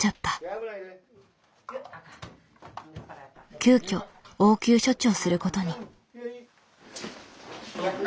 急きょ応急処置をすることに。